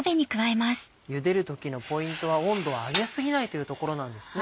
ゆでる時のポイントは温度は上げ過ぎないというところなんですね。